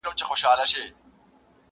چي مي پېغلوټي د کابل ستایلې!